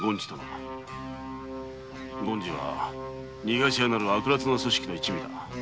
権次は「逃がし屋」なる悪辣な組織の一味だ。